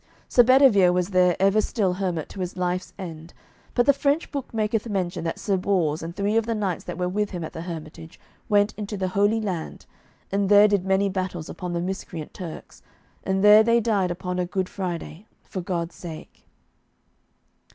Sir Bedivere was there ever still hermit to his life's end, but the French book maketh mention that Sir Bors and three of the knights that were with him at the hermitage went into the Holy Land, and there did many battles upon the miscreant Turks, and there they died upon a Good Friday, for God's sake.